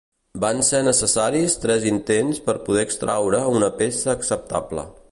Van ser necessaris tres intents per poder extraure una peça acceptable.